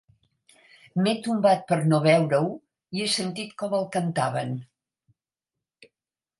M'he tombat per no veure-ho i he sentit com el cantaven.